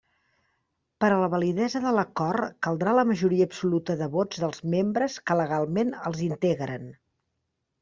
Per a la validesa de l'acord caldrà la majoria absoluta de vots dels membres que legalment els integren.